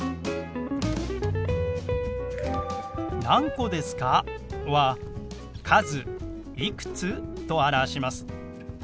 「何個ですか？」は「数いくつ？」と表します。